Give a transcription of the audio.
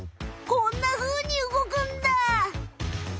こんなふうに動くんだ！